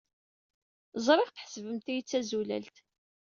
Ẓriɣ tḥesbemt-iyi d tazulalt.